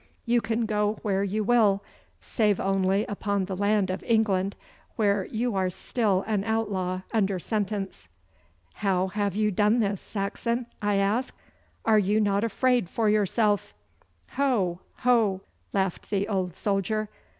You can go where you will, save only upon the land of England, where you are still an outlaw under sentence.' 'How have you done this, Saxon?' I asked. 'Are you not afraid for yourself?' 'Ho, ho!' laughed the old soldier.